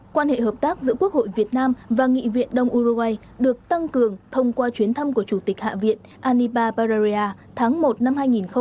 quan hệ hợp tác giữa quốc hội việt nam và nghị viện đông uruguay được tăng cường thông qua chuyến thăm của chủ tịch hạ viện anibar bararia tháng một năm hai nghìn một mươi năm